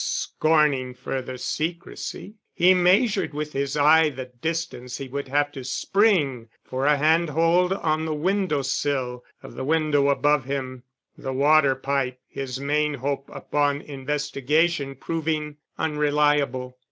Scorning further secrecy, he measured with his eye the distance he would have to spring for a hand hold on the window sill of the window above him, the water pipe, his main hope, upon investigation proving unreliable.